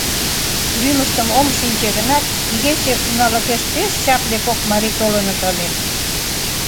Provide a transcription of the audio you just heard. Лӱмыштым ом шинче гынат, икече уналыкеш пеш чапле кок марий толыныт ыле...»